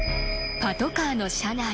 ［パトカーの車内。